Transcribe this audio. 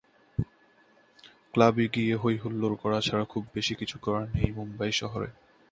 ক্লাবে গিয়ে হই-হুল্লোড় করা ছাড়া খুব বেশি কিছু করার নেই মুম্বাই শহরে।